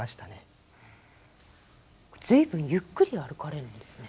随分ゆっくり歩かれるんですね。